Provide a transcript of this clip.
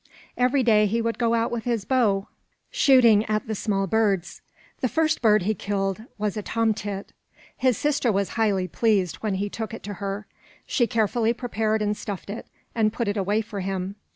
Every day he would go out with his bow, shooting at the small birds. The first bird he killed was a tom tit. His sister was highly pleased when he took it to her. She carefully prepared and stuffed it, and put it away for him.